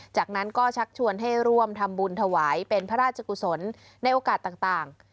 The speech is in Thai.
จากนั้นก็ชักชวนให้ร่วมทำบุญถวายเป็นพระราชกุศลในโอกาสต่าง